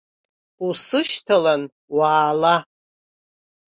Усышьҭалан уаала.